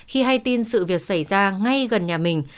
cái gì xảy ra ngay gần nhà mình